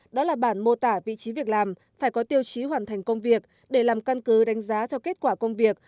đó là bản mô tả vị trí việc làm phải có tiêu chí hoàn thành công việc để làm căn cứ đánh giá theo kết quả công việc